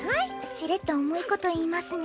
しれっと重いこと言いますね。